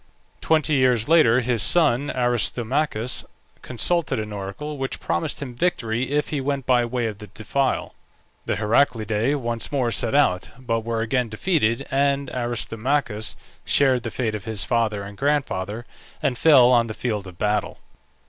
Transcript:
Twenty years later his son Aristomachus consulted an oracle, which promised him victory if he went by way of the defile. The Heraclidae once more set out, but were again defeated, and Aristomachus shared the fate of his father and grandfather, and fell on the field of battle.